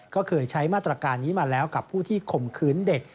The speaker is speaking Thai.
ก็เคยใช้มาตรการนี้มาแล้วกับผู้ที่ข่มขืนเด็ก